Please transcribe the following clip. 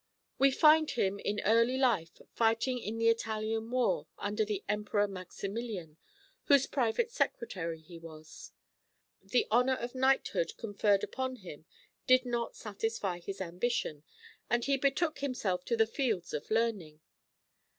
We find him in early life fighting in the Italian war under the Emperor Maximilian, whose private secretary he was. The honour of knighthood conferred upon him did not satisfy his ambition, and he betook himself to the fields of learning.